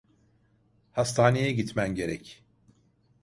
Hastaneye gitmen gerek.